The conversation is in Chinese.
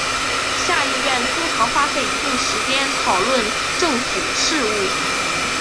下议院通常花费一定时间讨论政府事务。